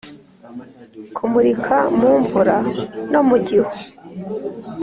kumurika mu mvura no mu gihu,